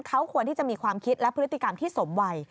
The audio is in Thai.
เขาควรที่จะมีความคิดและพฤติกรรมที่สมวัย